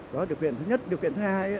đó là điều kiện thứ nhất điều kiện thứ hai